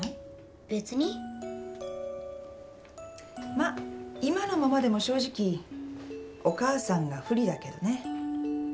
まっ今のままでも正直お母さんが不利だけどね。